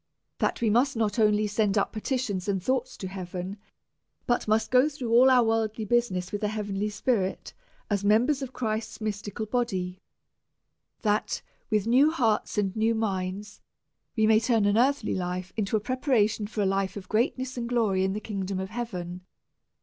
That we must not only send up petitions and thoughts now and then to heaven, but must go through all our worldly business with an heavenly spirit, as members of Christ's mystical body, and, with new hearts and new minds, are to turn an earthly life into a preparation for a life of greatness and glory in the kingdom of heaven.